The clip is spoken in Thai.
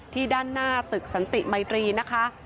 ที่ด้านหน้าตึกสันติไมตรีนะคะ